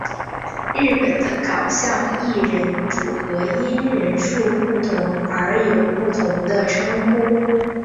日本的搞笑艺人组合因人数不同而有不同的称呼。